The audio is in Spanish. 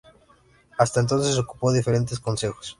Hasta entonces, ocupó diferentes consejos.